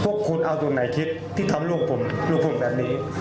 พวกคุณเอาตรงไหนคิดที่ทำลูกผมลูกผมแบบนี้